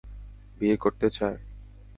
বিয়ে করতে চায়?